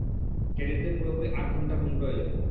ক্যাডেটদের পুরোপুরি আট ঘন্টা ঘুম প্রয়োজন।